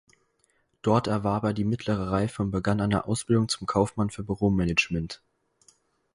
Dort erwarb er die Mittlere Reife und begann eine Ausbildung zum Kaufmann für Büromanagement.